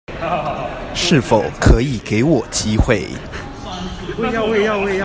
是否可以給我機會